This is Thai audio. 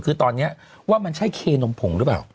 คือตอนนี้ว่ามันใช่เคนมผงหรือเปล่า